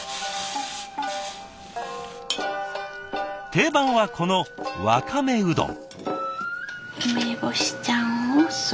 定番はこのわかめうどん。